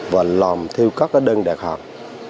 và làm theo các đơn đề khẳng